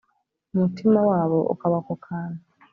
Umutima wabo ukaba ku kantu!